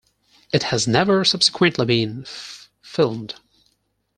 It has never subsequently been filmed.